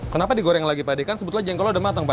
kenapa digoreng lagi pak kan sebetulnya jengkol sudah matang pak